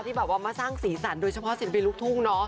ที่แบบมาสร้างศีรษรรษ์โดยเฉพาะศิลปินลุกทุ่งเนาะ